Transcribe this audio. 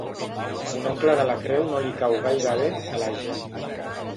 Mon oncle de la creu no li cau gaire bé, a la gent.